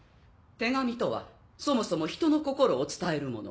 手紙とはそもそも人の心を伝えるもの。